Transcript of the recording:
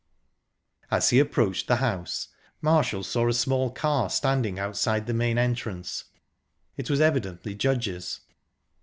As he approached the house, Marshall saw a small car standing outside the main entrance. It was evidently Judge's.